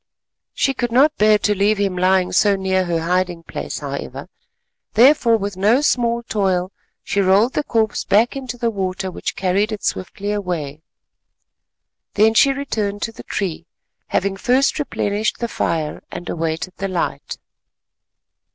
She could not bear to leave him lying so near her hiding place, however; therefore, with no small toil, she rolled the corpse back into the water, which carried it swiftly away. Then she returned to the tree, having first replenished the fire, and awaited the light.